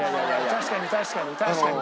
確かに確かに確かに。